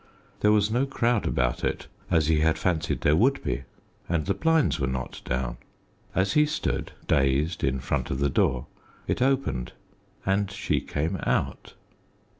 There was no crowd about it as he had fancied there would be, and the blinds were not down. As he stood, dazed, in front of the door, it opened, and she came out.